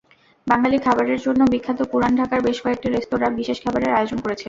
বাঙালি খাবারের জন্য বিখ্যাত পুরান ঢাকার বেশ কয়েকটি রেস্তোরাঁ বিশেষ খাবারের আয়োজন করেছে।